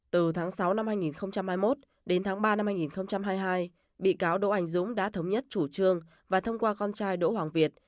từ tháng sáu năm hai nghìn hai mươi một đến tháng ba năm hai nghìn hai mươi hai bị cáo đỗ anh dũng đã thống nhất chủ trương và thông qua con trai đỗ hoàng việt